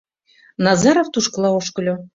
Назаров тушкыла ошкыльо.